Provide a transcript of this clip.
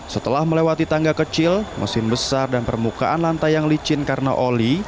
setelah melewati tangga kecil mesin besar dan permukaan lantai yang licin karena oli